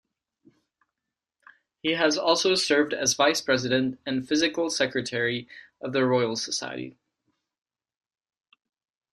He has also served as Vice-President and Physical Secretary of the Royal Society.